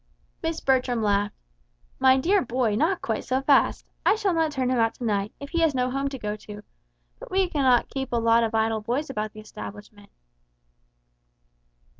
Miss Bertram laughed. "My dear boy, not quite so fast. I shall not turn him out to night, if he has no home to go to; but we cannot keep a lot of idle boys about the establishment."